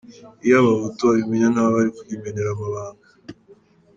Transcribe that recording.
Iyo abahutu babimenya, ntawari kuyimenera amabanga.